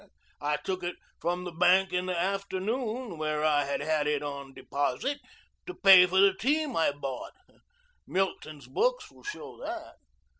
I took it from the bank in the afternoon, where I had had it on deposit, to pay for the team I bought. Milton's books will show that.